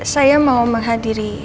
saya mau menghadiri